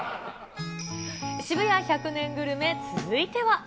渋谷１００年グルメ、続いては。